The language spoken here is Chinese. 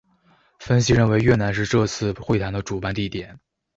分析认为越南是这次会谈的主办地点。